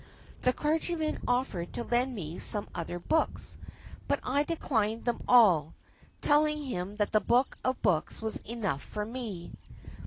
The clergyman offered to lend me some other books; but I declined them all, telling him that the Book of books was enough for me.